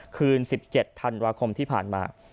๑๗ธันวาคมที่ผ่านมา